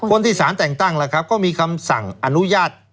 คนที่ศาลแต่งตั้งก็มีคำสั่งอนุญาต